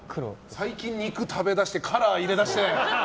最近、肉食べだしてカラー入れだして。